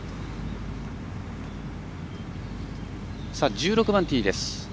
１６番ティーです。